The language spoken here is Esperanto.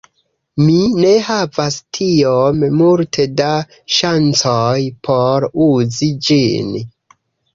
Mi ne havas tiom multe da ŝancoj por uzi ĝin.